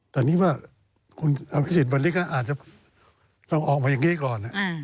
แต่นี่ว่าคุณอภิษฎวันนี้ก็อาจจะต้องออกมาอย่างนี้ก่อน